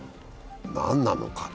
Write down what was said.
何なのか。